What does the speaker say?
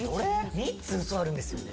３つ嘘あるんですよね